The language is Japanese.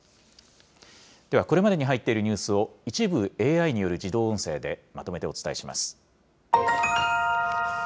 ではこれまでに入っているニュースを、一部ＡＩによる自動音声で、まとめてお伝えします。